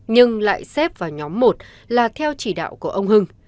nhưng lại xếp vào nhóm một là theo chỉ đạo của ông hưng